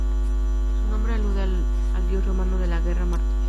Su nombre alude al dios romano de la guerra: Marte.